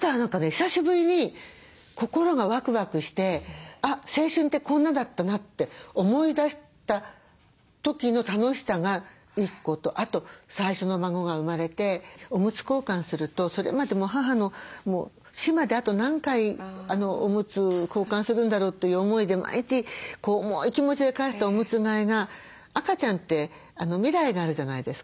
久しぶりに心がワクワクして「あっ青春ってこんなだったな」って思い出した時の楽しさが１個とあと最初の孫が生まれておむつ交換するとそれまでもう母の死まであと何回おむつ交換するんだろうという思いで毎日重い気持ちで替えてたおむつ替えが赤ちゃんって未来があるじゃないですか。